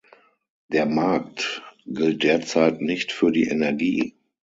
Der Markt gilt derzeit nicht für die Energie.